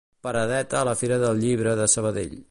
Paradeta a la Fira del Llibre de Sabadell.